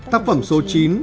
tác phẩm số chín